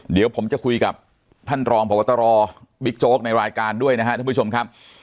เดี๋ยวผมจะคุยกับท่านรองผัวปะตะรอบิ๊กโจ๊กในรายการด้วยนะครับ